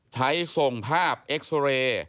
ใช้ส่งภาพเอ็กซ์เรย์